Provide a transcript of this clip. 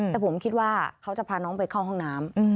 แต่ผมคิดว่าเขาจะพาน้องไปเข้าห้องน้ำ